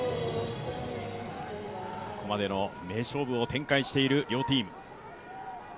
ここまでの名勝負を展開している両チーム。